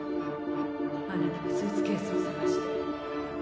あなたはスーツケースを捜して。